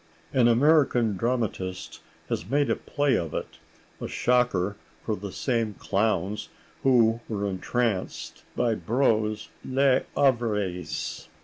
An American dramatist has made a play of it—a shocker for the same clowns who were entranced by Brieux's "Les Avariés."